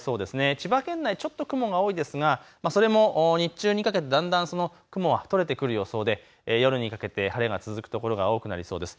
千葉県内ちょっと雲が多いですが、それも日中にかけてだんだん雲が取れてくる予想で、夜にかけて晴れが続く所が多くなりそうです。